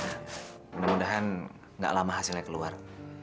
mudah mudahan gak lama hasilnya keluar